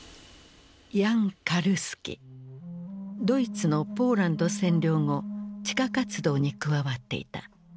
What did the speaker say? ドイツのポーランド占領後地下活動に加わっていた。